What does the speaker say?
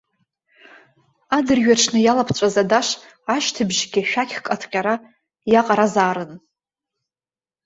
Адырҩаҽны иалаԥҵәаз адаш ашьҭыбжьгьы шәақьк аҭҟьара иаҟаразаарын.